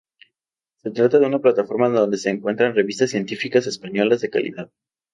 Se trata de una plataforma donde se encuentran revistas científicas españolas de calidad.